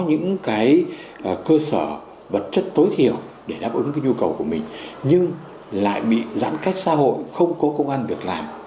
có những cơ sở vật chất tối thiểu để đáp ứng nhu cầu của mình nhưng lại bị giãn cách xã hội không có công an việc làm